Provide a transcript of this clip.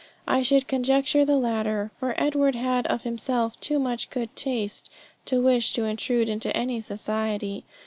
I should conjecture the latter, for Edward had of himself too much good taste to wish to intrude into any society.